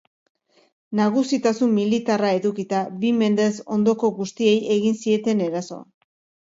Nagusitasun militarra edukita, bi mendez ondoko guztiei egin zieten eraso.